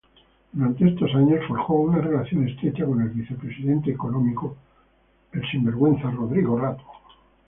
Durante estos años forjó una relación estrecha con el vicepresidente económico Rodrigo Rato.